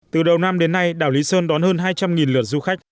từ đầu năm đến nay đảo lý sơn đón hơn hai trăm linh lượt du khách